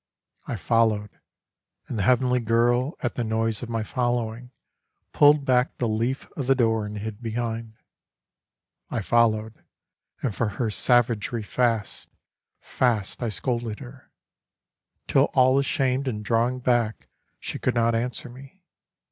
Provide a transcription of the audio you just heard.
I followed, and the heavenly girl at the noise of my following Pulled back the leaf of the door and hid behind. I followed, and for her savagery fast, fast I scolded her ; Till all ashamed and drawing back she could not answer me.